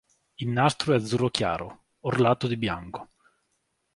Il nastro è azzurro chiaro, orlato di bianco.